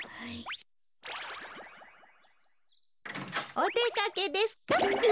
おでかけですか？